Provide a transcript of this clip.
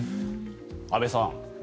安部さん